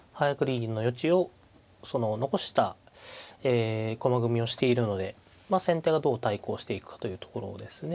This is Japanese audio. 銀の余地を残した駒組みをしているので先手がどう対抗していくかというところですね。